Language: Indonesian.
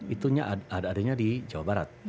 itunya ada adanya di jawa barat